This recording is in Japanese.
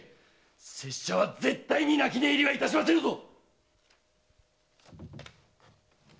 拙者は絶対に泣き寝入りはいたしませぬぞ！